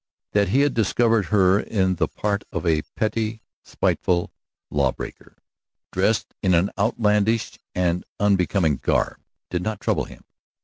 That he had discovered her in the part of a petty, spiteful lawbreaker, dressed in an outlandish and unbecoming garb, did not trouble him.